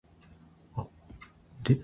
声が高い